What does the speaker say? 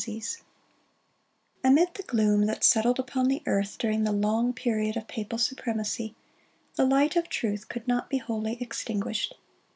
] Amid the gloom that settled upon the earth during the long period of papal supremacy, the light of truth could not be wholly extinguished.